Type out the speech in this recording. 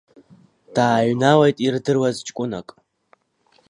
Дааҩналеит ирдыруаз ҷкәынак.